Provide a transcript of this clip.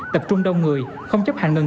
tập trung đông người không chấp hành ngừng